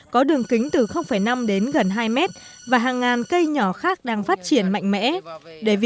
có đường kính từ năm đến gần hai mét và hàng ngàn cây nhỏ khác đang phát triển mạnh mẽ